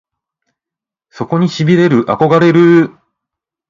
そこに痺れる憧れるぅ！！